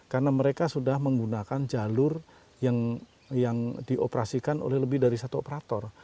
karena mereka sudah menggunakan jalur yang dioperasikan oleh lebih dari satu operator